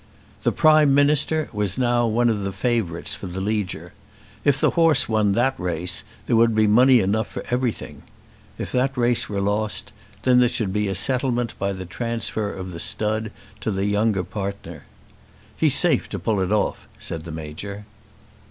The "Prime Minister" was now one of the favourites for the Leger. If the horse won that race there would be money enough for everything. If that race were lost, then there should be a settlement by the transfer of the stud to the younger partner. "He's safe to pull it off," said the Major.